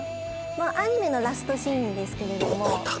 アニメのラストシーンですけれどもどこだ